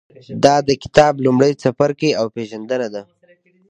دا د کتاب لومړی څپرکی او پېژندنه ده.